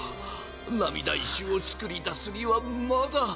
涙石を作り出すにはまだ。